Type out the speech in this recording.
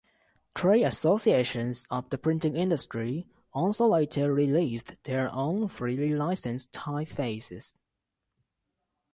Trade associations of the printing industry also later released their own freely licensed typefaces.